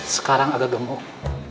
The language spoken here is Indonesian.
sekarang agak gemuk